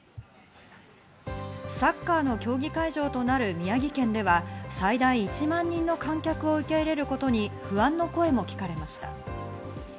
サッカーの競技会場となる宮城県では最大１万人の観客を受け入れることに不安の声も聞かれました。